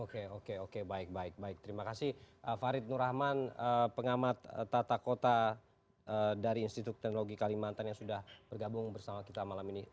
oke oke oke baik baik baik terima kasih farid nur rahman pengamat tata kota dari institut teknologi kalimantan yang sudah bergabung bersama kita malam ini